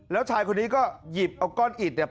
แล้วชายคนนี้ก็หยิบเอาก้อนอิดเนี่ย